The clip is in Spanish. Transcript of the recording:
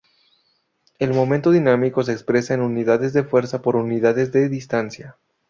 El momento dinámico se expresa en unidades de fuerza por unidades de distancia.